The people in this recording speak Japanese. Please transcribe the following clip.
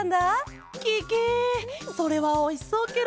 ケケそれはおいしそうケロ。